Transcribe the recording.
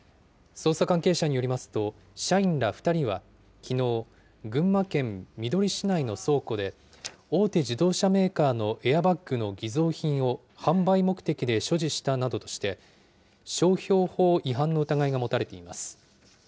捜査関係者によりますと、社員ら２人は、きのう、群馬県みどり市内の倉庫で、大手自動車メーカーのエアバッグの偽造品を販売目的で所持したなどとして、商標法違反の疑いが持たれています。